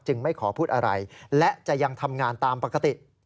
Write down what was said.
ไม่ขอพูดอะไรและจะยังทำงานตามปกติ